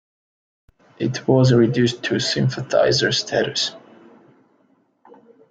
It was reduced to sympathiser status.